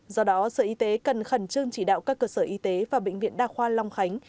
do đó sở y tế cần khẩn trương chỉ đạo các cơ sở y tế và bệnh viện đa khoa long khánh